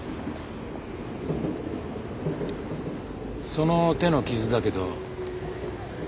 その手の傷だけど。